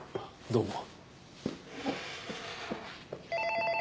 どうも。